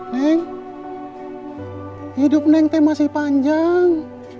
neng hidup masih panjang